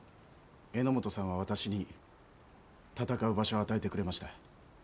榎本さんは私に戦う場所を与えてくれました。